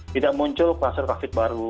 tidak muncul kluster covid baru